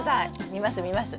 見ます見ます。